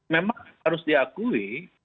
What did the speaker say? memang harus diakui